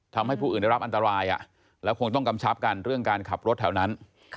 ทำให้ผู้อื่นได้รับอันตรายแล้วคงต้องกำชับกันเรื่องการขับรถแถวนั้น